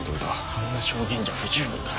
あんな証言じゃ不十分だ。